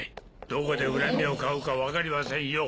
どこで恨みを買うか分かりはせんよ。